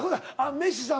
メッシさん